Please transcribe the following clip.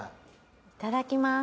いただきます。